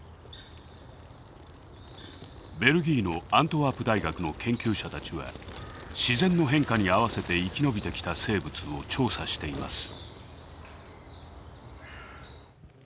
ベルギーのアントワープ大学の研究者たちは自然の変化に合わせて生き延びてきた生物を調査しています。